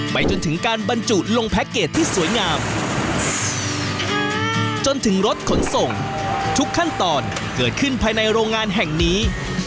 จนถึงการบรรจุลงแพ็คเกจที่สวยงามจนถึงรถขนส่งทุกขั้นตอนเกิดขึ้นภายในโรงงานแห่งนี้